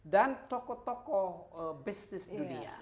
dan tokoh tokoh bisnis dunia